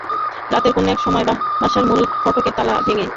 রাতের কোনো একসময় বাসার মূল ফটকের তালা ভেঙে দুর্বৃত্তরা ভেতরে ঢোকে।